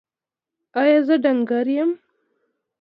ایا زه ډنګر یم؟